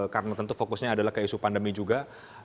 karena tentu fokusnya adalah ke isu pandemi juga